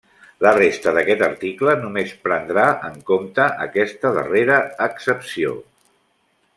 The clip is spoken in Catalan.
La resta d'aquest article només prendrà en compte aquesta darrera accepció.